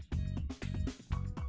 cảnh sát điều tra bộ công an